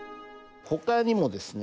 ほかにもですね